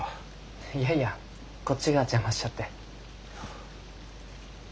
いやいやこっちが邪魔しちゃって。